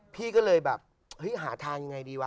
พี่ก็เลยแบบเฮ้ยหาทางยังไงดีวะ